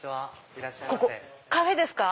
ここカフェですか？